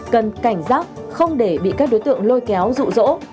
cần cảnh giác không để bị các đối tượng lôi kéo dụ dỗ